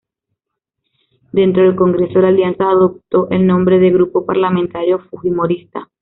Dentro del Congreso, la Alianza adoptó el nombre de "Grupo Parlamentario Fujimorista".